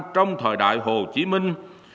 trong thời đại hồ chí minh